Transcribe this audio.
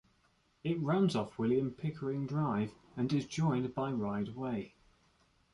It runs off William Pickering Drive and is joined by Ride Way.